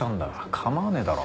構わねえだろ。